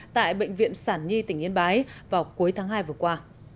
tại bệnh viện sản nhi tỉnh yên bái vào cuối tháng hai vừa qua